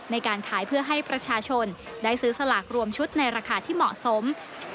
ในการขายเพื่อให้ประชาชนได้ซื้อสลากรวมชุดในราคาที่เหมาะสม